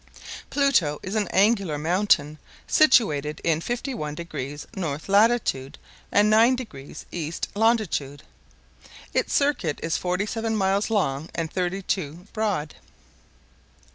Pluto is an annular mountain, situated in 51° north latitude, and 9° east longitude. Its circuit is forty seven miles long and thirty two broad.